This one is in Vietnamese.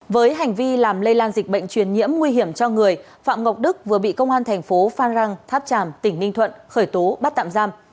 với hành vi làm lây lan dịch bệnh truyền nhiễm nguy hiểm cho người phạm ngọc đức vừa bị công an thành phố phan rang tháp tràm tỉnh ninh thuận khởi tố bắt tạm giam